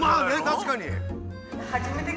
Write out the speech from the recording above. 確かに。